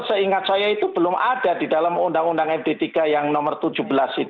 seingat saya itu belum ada di dalam undang undang md tiga yang nomor tujuh belas itu